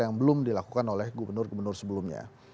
yang belum dilakukan oleh gubernur gubernur sebelumnya